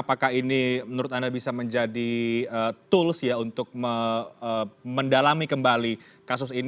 apakah ini menurut anda bisa menjadi tools ya untuk mendalami kembali kasus ini